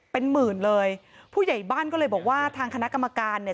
เป็นหมื่นเลยผู้ใหญ่บ้านก็เลยบอกว่าทางคณะกรรมการเนี่ย